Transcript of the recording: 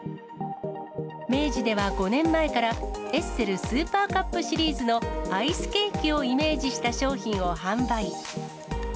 明治では５年前から、エッセルスーパーカップシリーズのアイスケーキをイメージした商品を販売。